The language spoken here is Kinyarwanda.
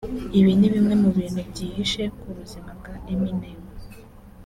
Ibi ni bimwe mu bintu byihishe ku buzima bwa Eminem